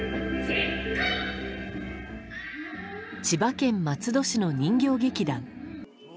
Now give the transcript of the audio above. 千葉県松戸市の人形劇団。